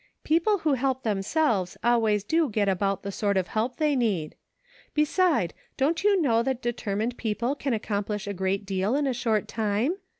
People who help themselves always do get about the sort of help they need. Beside, don't you know that determined people can accomplish a great deal in a short time